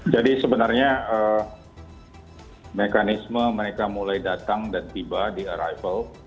sebenarnya mekanisme mereka mulai datang dan tiba di arrival